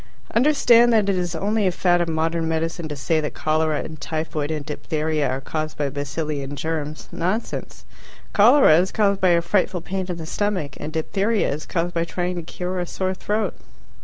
Understand that it is only a fad of modern medicine to say that cholera and typhoid and diphtheria are caused by bacilli and germs; nonsense. Cholera is caused by a frightful pain in the stomach, and diphtheria is caused by trying to cure a sore throat.